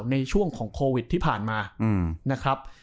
ในช่วงของโควิดที่ผ่านมานะครับ